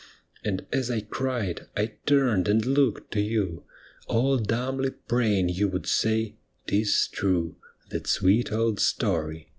And as I cried I turned and looked to you, All dumbly praying you would say, " 'Tis true. That sweet old story.